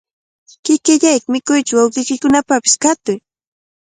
Kikillayki mikuytsu, wawqiykipaqpish katuy.